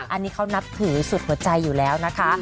อันนี้เขานับถือสุดหัวใจอยู่แล้วนะคะ